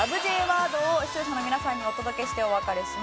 Ｊワードを視聴者の皆さんにお届けしてお別れします。